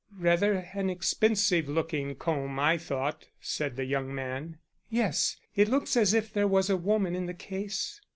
"Rather an expensive looking comb, I thought," said the young man. "Yes; it looks as if there was a woman in the case."